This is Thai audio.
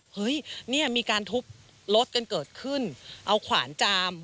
เฮ้ยเนี่ยมีการทุบรถกันเกิดขึ้นเอาขวานจาม